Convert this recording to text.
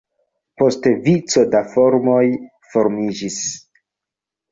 Poste vico da farmoj formiĝis.